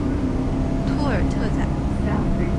托尔特宰。